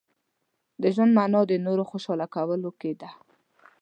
• د ژوند مانا د نورو خوشحاله کولو کې ده.